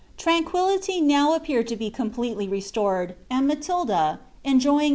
Tranquillity now appeared to be completely restored ; and Matilda, 'flendenoo.